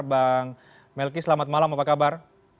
bang melki selamat malam apa kabar